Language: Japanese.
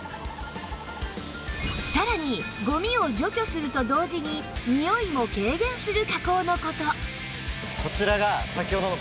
さらにゴミを除去すると同時にニオイも軽減する加工の事